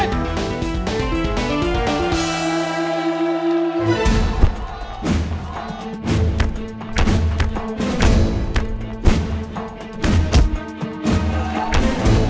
rey hajar terus rey